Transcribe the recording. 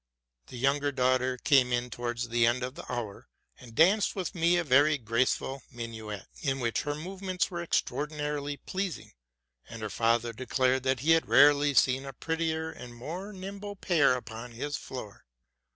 The younger daughter came in towards the end of the hour, and danced with me a very graceful minuet, in which her movements were extraordinarily pleasing, and her father de clared that he had rarely seen a prettier and more nimble pair upon his floor.